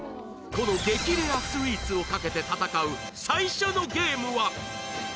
この激レアスイーツをかけて戦う最初のゲームは